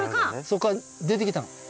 そっから出てきたの。